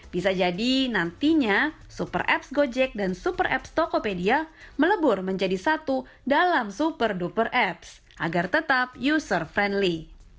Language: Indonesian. bisa jadi nantinya super apps gojek dan super apps tokopedia melebur menjadi satu dalam super duper apps agar tetap user friendly